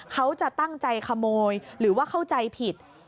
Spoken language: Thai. เขาจะตั้งใจขโมยหรือว่าเข้าใจผิด